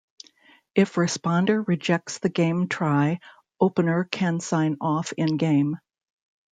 If responder rejects the game try, opener can sign off in game.